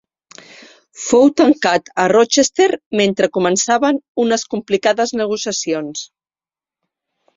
Fou tancat a Rochester mentre començaven unes complicades negociacions.